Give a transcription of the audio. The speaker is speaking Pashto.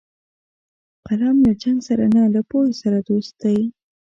قلم له جنګ سره نه، له پوهې سره دوست دی